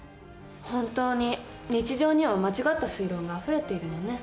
本当に日常には間違った推論があふれているのね。